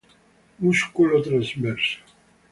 Muscolo trasverso